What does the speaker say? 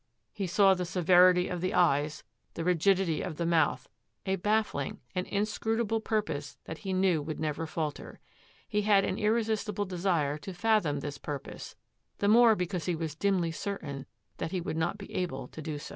He saw in the severity of the eyes, the rigidity of the mouth, a ba£9ing, an inscrutable purpose that he knew would never falter. He had an irresistible desire to fathom this purpose, the more because he was dimly certain that he would not be able to do so.